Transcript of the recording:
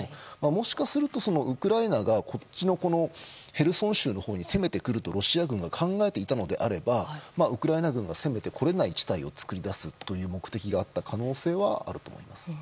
もしかするとウクライナがヘルソン州のほうに攻めていくとロシア軍が考えていたのであればウクライナ軍が攻めてこれない地帯を作り出すという目的があった可能性はあると思います。